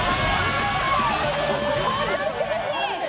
本当に苦しい！